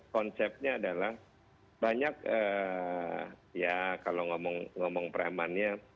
konsepnya adalah banyak ya kalau ngomong preman nya